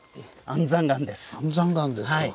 安山岩ですか。